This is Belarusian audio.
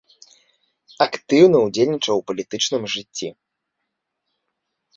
Актыўна ўдзельнічаў у палітычным жыцці.